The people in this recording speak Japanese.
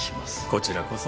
こちらこそ。